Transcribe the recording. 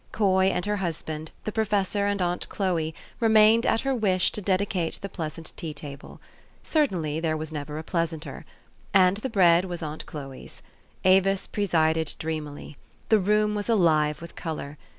Coy and her husband, the professor and aunt Chloe, remained, at her wish, to dedicate the pleasant tea table. Certainly there was never a pleasanter. And the bread was aunt Chloe' s. Avis presided dreamily. The room was alive with color.